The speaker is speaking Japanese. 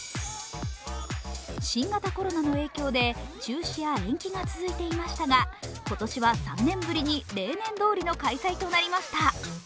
新型コロナの影響で中止や延期が続いていましたが今年は３年ぶりに例年通りの開催となりました。